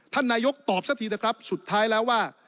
ท่านนายกตอบซะทีนะครับสุดท้ายแล้วว่า